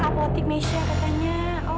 apotek mesya katanya